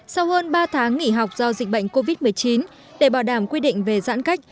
sau hơn ba tháng nghỉ học do dịch bệnh covid một mươi chín để bảo đảm quy định về giãn cách